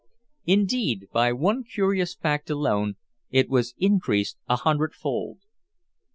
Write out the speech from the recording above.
Indeed, by one curious fact alone it was increased a hundredfold.